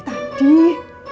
maturnya ya dari tadi